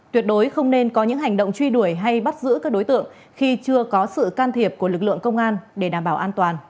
tuyệt đối không nên có những hành động truy đuổi hay bắt giữ các đối tượng khi chưa có sự can thiệp của lực lượng công an để đảm bảo an toàn